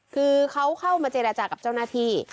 คือเขาเข้ามาเจรจากับเจ้าหน้าที่